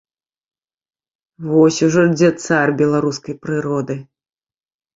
Вось ужо дзе цар беларускай прыроды.